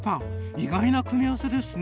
意外な組み合わせですね。